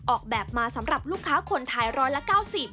ออกแบบมาสำหรับลูกค้าคนไทยร้อยละ๙๐